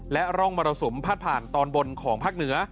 และร่องมรสุมพาดผ่านตอนบนของภาคเหนือ